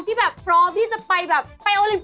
ที่แบบพร้อมที่จะไปแบบไปโอลิมปิก